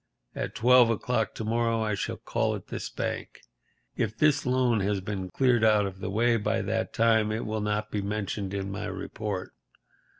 At twelve o'clock to morrow I shall call at this bank. If this loan has been cleared out of the way by that time it will not be mentioned in my report.